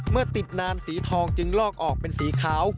เมื่อติดนานสีทองจึงลอกออกเป็นสีขาว